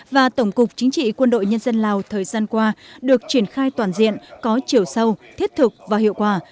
và tổng cục chính trị quân đội nhân dân lào thời gian qua được triển khai toàn diện có chiều sâu thiết thực và hiệu quả